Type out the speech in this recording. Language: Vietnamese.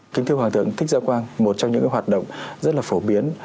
kính thưa hoàng thượng thích giao quang một trong những hoạt động rất là phổ biến